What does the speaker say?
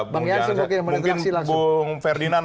mungkin bung ferdinand